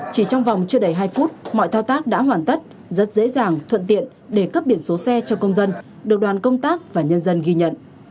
chỉ trong vòng chưa đầy hai phút mọi thao tác đã hoàn tất rất dễ dàng thuận tiện để cấp biển số xe cho công dân được đoàn công tác và nhân dân ghi nhận